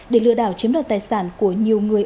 để lừa đảo chiếm đoạt tài sản của nhiều người